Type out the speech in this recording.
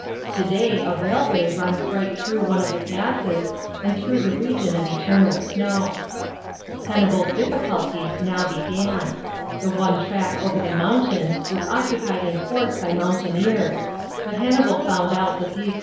To day a railway runs right through one of the passes and through the region of eternal snow. Hannibal's difficulties now began. The one track over the mountains, was occupied in force by mountaineers, but Hannibal found out that these 166 CLIMBING THE ALPS.